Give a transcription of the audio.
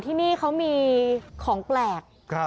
ที่นี่เขามีของแปลก